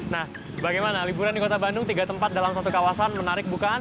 nah bagaimana liburan di kota bandung tiga tempat dalam satu kawasan menarik bukan